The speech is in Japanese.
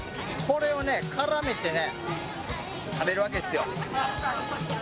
これをね絡めてね食べるわけですよ。